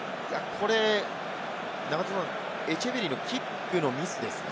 これ、エチェベリーのキックのミスですか？